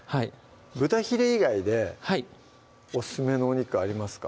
豚ヒレ以外でオススメのお肉ありますか？